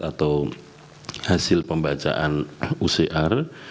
atau hasil pembacaan ucr